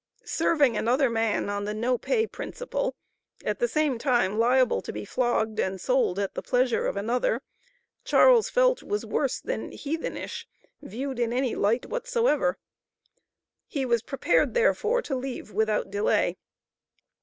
Serving another man on the no pay principle, at the same time liable to be flogged, and sold at the pleasure of another, Charles felt was worse than heathenish viewed in any light whatsoever. He was prepared therefore, to leave without delay.